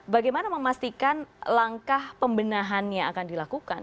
bagaimana memastikan langkah pembenahannya akan dilakukan